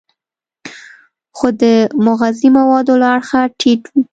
خو د مغذي موادو له اړخه ټیټ وي.